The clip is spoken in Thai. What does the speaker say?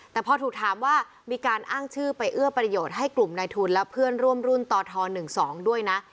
แต่พอถูกถามว่ามีการอ้างชื่อไปเอื้อประโยชน์ให้กลุ่มนายทุนและเพื่อนร่วมรุ่นตท๑๒ด้วยนะ